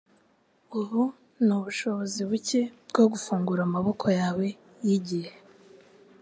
ubu nubushobozi buke bwo gufungura amaboko yawe yigihe